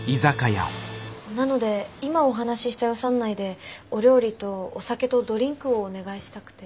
なので今お話しした予算内でお料理とお酒とドリンクをお願いしたくて。